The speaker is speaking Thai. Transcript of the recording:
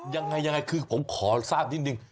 ยังไงคือผมขอทราบนิดนึง